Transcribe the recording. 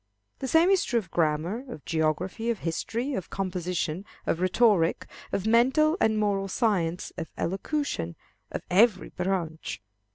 The same is true of grammar, of geography, of history, of composition, of rhetoric, of mental and moral science, of elocution, of every branch.